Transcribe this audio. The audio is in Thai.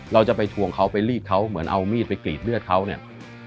เราจะไปทวงเขาไปรีดเขาเหมือนเอามีดไปกรีดเลือดเขาเนี่ย